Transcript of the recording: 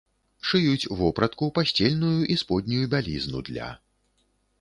Шыюць вопратку, пасцельную і споднюю бялізну для.